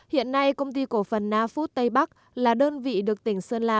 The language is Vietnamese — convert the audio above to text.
hiện nay công ty cổ phần nafut tây bắc là đơn vị được tỉnh sơn la